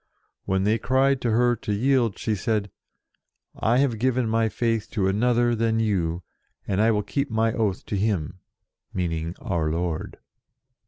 When they cried to her to yield she said, "I have given my faith to another than you, and 90 JOAN OF ARC I will keep my oath to Him," meaning Our Lord.